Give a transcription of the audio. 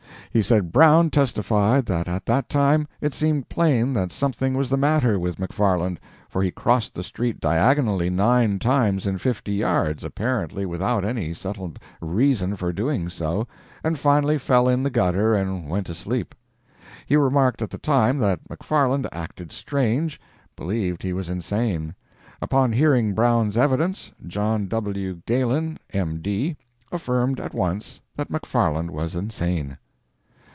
He said Brown testified that at that time it seemed plain that something was the matter with McFarland, for he crossed the street diagonally nine times in fifty yards, apparently without any settled reason for doing so, and finally fell in the gutter and went to sleep. He remarked at the time that McFarland acted strange believed he was insane. Upon hearing Brown's evidence, John W. Galen, M.D., affirmed at once that McFarland was insane.